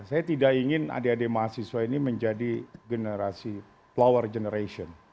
saya tidak ingin adik adik mahasiswa ini menjadi generasi flower generation